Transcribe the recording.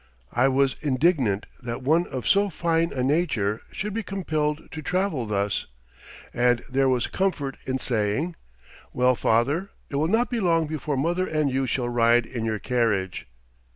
I was indignant that one of so fine a nature should be compelled to travel thus. But there was comfort in saying: "Well, father, it will not be long before mother and you shall ride in your carriage."